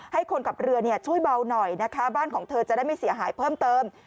ให้คนขับเรือช่วยเบาหน่อยนะคะบ้านของเธอจะได้ไม่เสียหายเพิ่มเติม